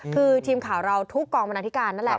คือทีมข่าวเราทุกกองบรรณาธิการนั่นแหละ